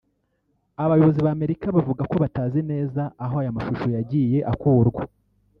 Abayobozi ba Amerika bavuga ko batazi neza aho aya mashusho yagiye akurwa